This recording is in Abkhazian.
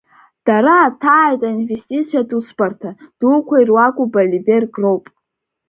Дара аҭааит аинвестициатә усбарҭа дуқәа ируаку Боливер-Гроуп.